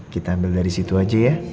kita ambil dari situ aja ya